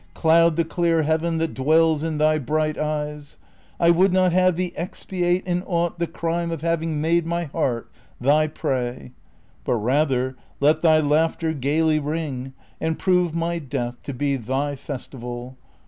Cloud the clear heaven tliat dwells in thy bright eyes ; I would not have thee expiate in aught The crime of having made my heart thy prey ; But rather let thy laughter gayly ring And prove my death to be thy festival.